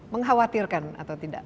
mengkhawatirkan atau tidak